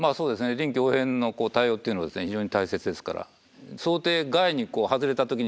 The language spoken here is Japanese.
臨機応変の対応っていうのは非常に大切ですから。